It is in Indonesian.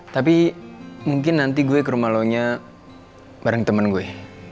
tapi mungkin nanti gue ke rumah lonya bareng temen gue